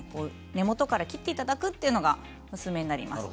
根元から切っていただくのがおすすめになります。